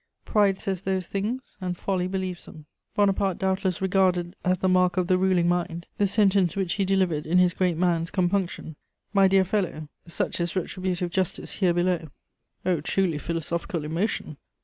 Pride says those things, and folly believes them. Bonaparte doubtless regarded as the mark of the ruling mind the sentence which he delivered in his great man's compunction: "My dear fellow, such is retributive justice here below!" O truly philosophical emotion!